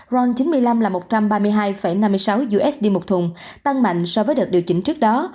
ron chín mươi năm là một trăm ba mươi hai năm mươi sáu usd một thùng tăng mạnh so với đợt điều chỉnh trước đó